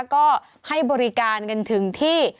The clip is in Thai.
ก็ให้บริการกันถึงที่